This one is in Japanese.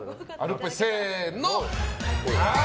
せーの。